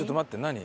何？